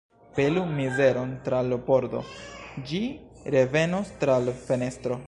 Pelu mizeron tra l' pordo, ĝi revenos tra l' fenestro.